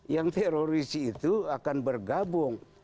yang teroris itu akan bergabung